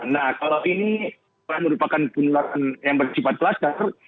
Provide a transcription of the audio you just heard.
nah kalau ini merupakan penelitian yang bersifat klaster